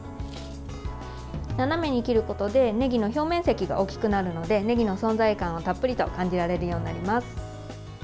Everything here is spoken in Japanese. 斜めに切ることでねぎの表面積が大きくなるのでねぎの存在感をたっぷりと感じられるようになります。